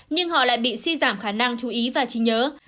nhưng họ lại bị suy giảm khả năng chú ý và trí nhớ